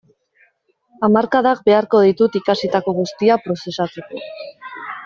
Hamarkadak beharko ditut ikasitako guztia prozesatzeko.